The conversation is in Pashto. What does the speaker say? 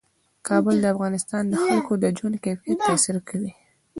کابل د افغانستان د خلکو د ژوند کیفیت تاثیر کوي.